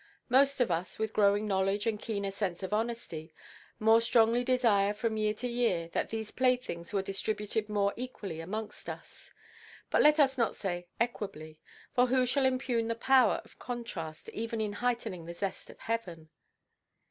Most of us, with growing knowledge and keener sense of honesty, more strongly desire from year to year that these playthings were distributed more equally amongst us. But let us not say "equably." For who shall impugn the power of contrast even in heightening the zest of heaven?